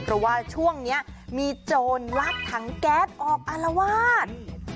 เพราะว่าช่วงนี้มีโจรลักถังแก๊สออกอารวาส